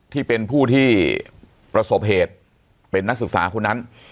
ที่เป็นผู้ที่ประสบเหตุเป็นนักศึกษาคนนั้น